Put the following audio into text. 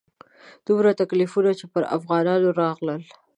دومره تکلیفونه چې پر افغانانو راغلل.